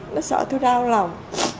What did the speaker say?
nó sợ tụi đau lòng